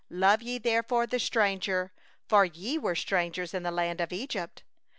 19Love ye therefore the stranger; for ye were strangers in the land of Egypt.